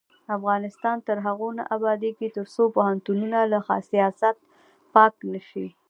افغانستان تر هغو نه ابادیږي، ترڅو پوهنتونونه له سیاست پاک نشي.